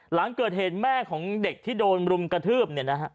หลังเกิดเหตุแม่ของเด็กที่โดนลุมกระทืบ